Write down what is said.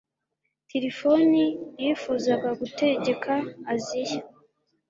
tirifoni yifuzaga gutegeka aziya